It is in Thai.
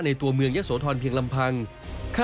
ได้ยินแต่เสียงดังปี๊บแล้วเดี๋ยวพุ่งออกมา